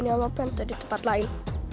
ngopeng tadi tepat lain